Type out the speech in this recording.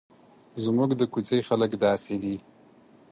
زموږ د کوڅې خلک داسې دي.